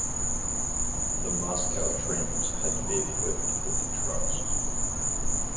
The Moscow trams had to be equipped with trucks.